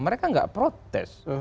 mereka nggak protes